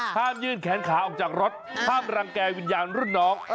ยื่นแขนขาออกจากรถห้ามรังแก่วิญญาณรุ่นน้อง